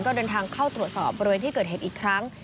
ก็เดินทางเข้าตรวจสอบบริเวณที่เกิดเหตุอีกครั้ง